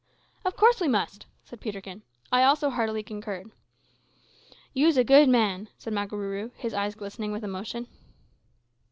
"Of course we must," said Peterkin. I also heartily concurred. "You's a good man," said Makarooroo, his eyes glistening with emotion.